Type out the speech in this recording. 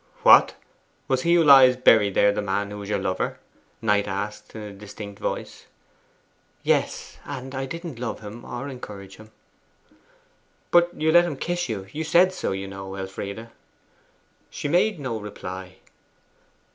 'What! was he who lies buried there the man who was your lover?' Knight asked in a distinct voice. 'Yes; and I didn't love him or encourage him.' 'But you let him kiss you you said so, you know, Elfride.' She made no reply.